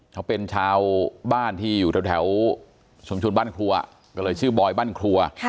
เขาเป็นชาวบ้านที่อยู่แถวชุมชนบ้านครัวก็เลยชื่อบอยบ้านครัว